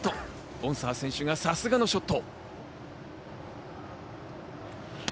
ボンサー選手がさすがのショット。